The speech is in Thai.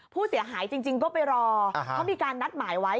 ผู้เสียหายจริงก็ไปรอเขามีการนัดหมายไว้